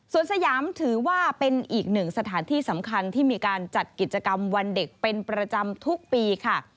ส่วนสยามถือว่าเป็นอีกหนึ่งสถานที่สำคัญที่มีการจัดกิจกรรมวันเด็กเป็นประจำทุกปีค่ะ